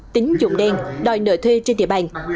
tính dụng đen đòi nợ thuê trên địa bàn